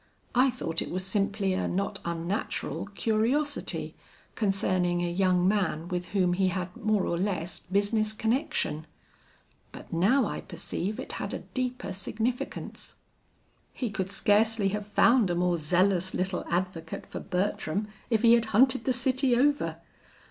I thought it was simply a not unnatural curiosity concerning a young man with whom he had more or less business connection; but now I perceive it had a deeper significance." "He could scarcely have found a more zealous little advocate for Bertram if he had hunted the city over.